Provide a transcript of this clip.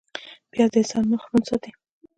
پیاز د انسان مخ روڼ ساتي